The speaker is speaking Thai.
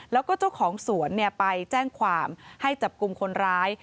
แล้วก็เจ้าของสวนไปแจ้งความให้จับกลุ่มคนร้าย